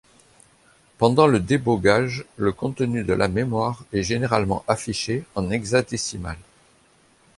Pendant le débogage, le contenu de la mémoire est généralement affiché en hexadécimal.